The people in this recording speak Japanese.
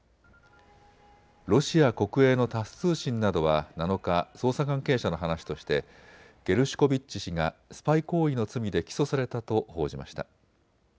ロシア国営のタス通信などは７日、捜査関係者の話としてゲルシュコビッチ氏がスパイ行為の罪で起訴されたと報じました。